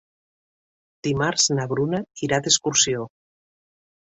Dimarts na Bruna irà d'excursió.